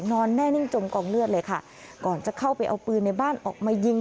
นอนแน่นิ่งจมกองเลือดเลยค่ะก่อนจะเข้าไปเอาปืนในบ้านออกมายิง